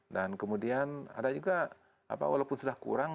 dan kemudian ada juga walaupun sudah kurang